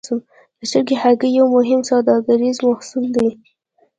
د چرګ هګۍ یو مهم سوداګریز محصول دی.